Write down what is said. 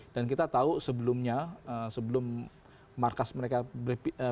dan kita tahu sebelumnya sebelum markas mereka pindah ke jawa timur